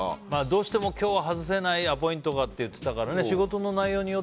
どうしても今日は外せないアポイントがって言ってたから。